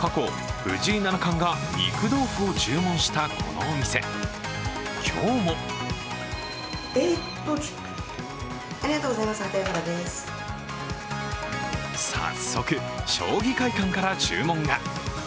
過去、藤井七冠が肉豆腐を注文したこのお店、今日も早速、将棋会館から注文が。